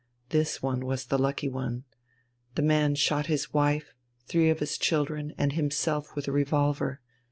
This one was the lucky one. The man shot his wife, three of his children, and himself with a revolver.